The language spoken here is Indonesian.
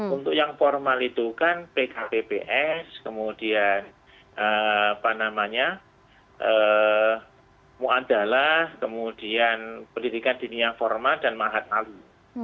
untuk yang formal itu kan pkpps kemudian mu'addalah kemudian pendidikan dunia formal dan mahat nalui